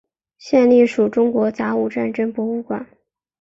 现隶属中国甲午战争博物馆。